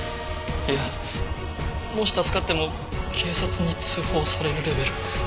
いやもし助かっても警察に通報されるレベル。